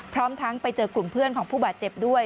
พร้อมทั้งไปเจอกลุ่มเพื่อนของผู้บาดเจ็บด้วย